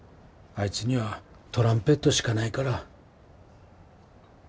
あいつにはトランペットしかないから。